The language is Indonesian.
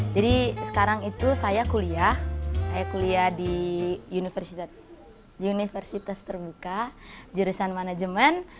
jadi sekarang itu saya kuliah di universitas terbuka jurusan manajemen